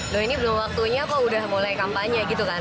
loh ini belum waktunya kok udah mulai kampanye gitu kan